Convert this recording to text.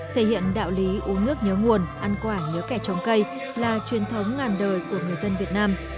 thể hiện đạo lý uống nước nhớ nguồn ăn quả nhớ kẻ trồng cây là truyền thống ngàn đời của người dân việt nam